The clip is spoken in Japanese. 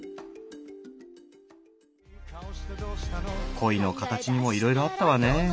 恋の形にもいろいろあったわねえ。